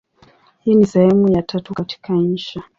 Hii ni sehemu ya tatu katika insha.